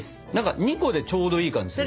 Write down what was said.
２個でちょうどいい感じするね。